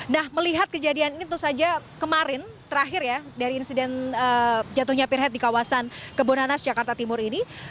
nah melihat kejadian ini tentu saja kemarin terakhir ya dari insiden jatuhnya pirhead di kawasan kebonanas jakarta timur ini